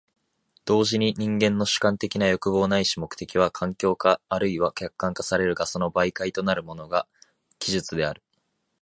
同時に人間の主観的な欲望ないし目的は環境化或いは客観化されるが、その媒介となるものが技術である。